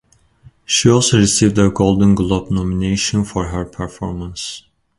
She also received a Golden Globe nomination for her performance.